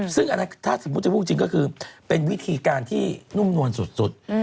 ซึ่งอันนั้นถ้าสมมุติจะพูดจริงก็คือเป็นวิธีการที่นุ่มนวลสุด